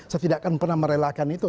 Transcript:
saya juga menjelakan itu